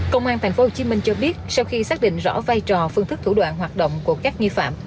công an thành phố hồ chí minh cho biết sau khi xác định rõ vai trò phương thức thủ đoạn hoạt động của các nghi phạm